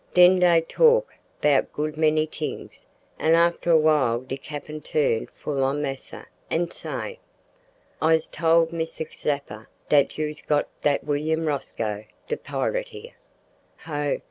Den dey talk 'bout good many t'ings, an' after a while de cappin turn full on massa, an say, "`I's told Missr Zeppa dat you's got dat willain Rosco de pirit here.' "Ho!